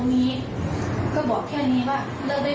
ก็บอกแค่นี้ว่าเลิกได้ไหมก็คือให้ไปอยู่กับเมียเคลียร์กับเมีย